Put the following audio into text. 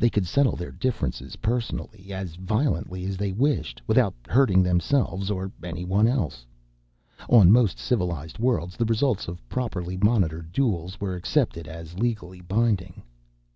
They could settle their differences personally, as violently as they wished, without hurting themselves or anyone else. On most civilized worlds, the results of properly monitored duels were accepted as legally binding.